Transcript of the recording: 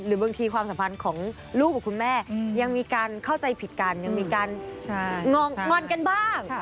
บางทีความสัมพันธ์ของลูกกับคุณแม่ยังมีการเข้าใจผิดกันยังมีการงอนกันบ้าง